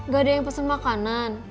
gak ada yang pesen makanan